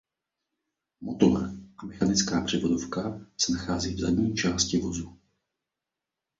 Motor a mechanická převodovka se nachází v zadní části vozu.